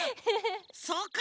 そうか！